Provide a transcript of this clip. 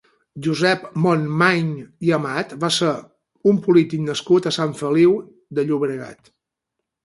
Josep Monmany i Amat va ser un polític nascut a Sant Feliu de Llobregat.